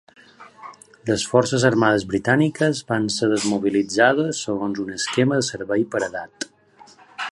Les forces armades britàniques van ser desmobilitzades segons un esquema de "servei per edat".